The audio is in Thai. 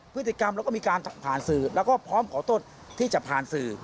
พฤติกรรมแล้วก็มีการผ่านสื่อแล้วก็พร้อมขอโทษที่จะผ่านสื่อ